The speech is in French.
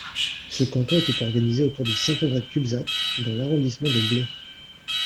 Ce canton était organisé autour de Saint-André-de-Cubzac dans l'arrondissement de Blaye.